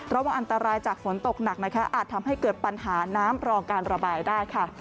ระวังอันตรายจากฝนตกหนักนะคะอาจทำให้เกิดปัญหาน้ำรอการระบายได้ค่ะ